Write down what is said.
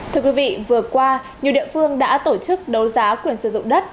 thưa quý vị vừa qua nhiều địa phương đã tổ chức đấu giá quyền sử dụng đất